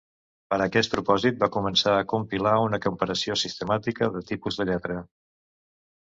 Per a aquest propòsit va començar a compilar una comparació sistemàtica de tipus de lletra.